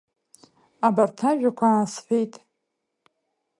Абарҭ ажәақәа аасҳәеит.